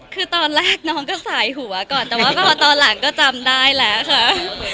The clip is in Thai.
คือตอนแรกน้องก็สายหัวก่อนแต่ว่าพอตอนหลังก็จำได้แล้วค่ะ